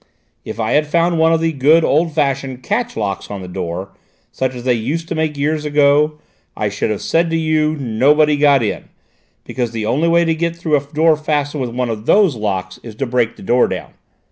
If I had found one of the good old fashioned catch locks on the door, such as they used to make years ago, I should have said to you: nobody got in, because the only way to get through a door fastened with one of those locks is to break the door down.